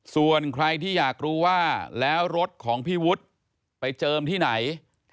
ส่วนใครที่อยากรู้ว่าแล้วรถของพี่วุฒิไปเจิมที่ไหน